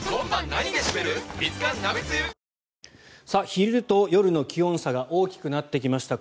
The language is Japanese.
昼と夜の気温差が大きくなってきました